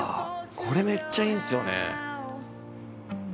これめっちゃいいんすよねうん。